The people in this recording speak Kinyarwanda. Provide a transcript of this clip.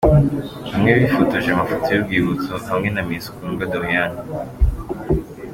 Bamwe bifotoje amafoto y'urwibutso hamwe na Miss Kundwa Doriane.